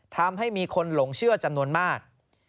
ทำให้มีคนหลงเชื่อจำนวนมาก